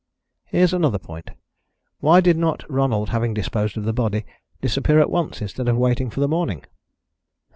"Here's another point: why did not Ronald, having disposed of the body, disappear at once, instead of waiting for the morning?"